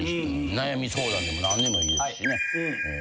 悩み相談でも何でもいいですしね。